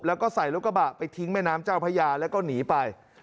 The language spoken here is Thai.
แล้วก็ใส่รถกระบะไปทิ้งแม่น้ำเจ้าพญาแล้วก็หนีไป